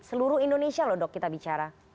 seluruh indonesia loh dok kita bicara